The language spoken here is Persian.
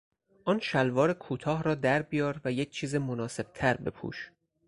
آن شلوار کوتاه را دربیار و یک چیز مناسبتر بپوش!